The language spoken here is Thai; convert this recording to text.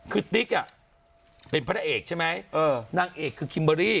คือติ๊กเป็นพระเอกใช่ไหมนางเอกคือคิมเบอรี่